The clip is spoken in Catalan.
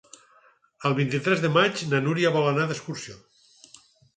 El vint-i-tres de maig na Núria vol anar d'excursió.